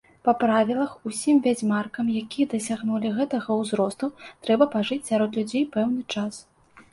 Па правілах усім вядзьмаркам, якія дасягнулі гэтага ўзросту, трэба пажыць сярод людзей пэўны час.